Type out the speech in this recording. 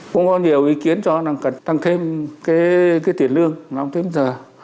cũng có nhiều ý kiến cho rằng cần tăng thêm cái tiền lương thêm giờ